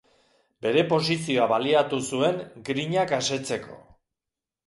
Bere posizioa baliatu zuen grinak asetzeko.